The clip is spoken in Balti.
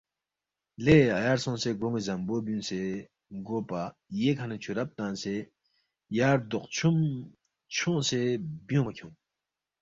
لے اَیار سونگسے گرونی زمبو بیونگسے گو پا ییکھا نہ چھو رب تنگسے یا ردوق چھوم چھونگسے بیونگمہ کھیونگ